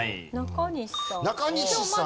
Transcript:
中西さん。